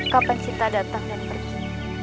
kapan kita datang dan pergi